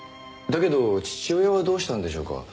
だけど父親はどうしたんでしょうか？